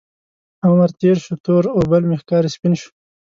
عمر تیر شو، تور اوربل مې ښکاري سپین شو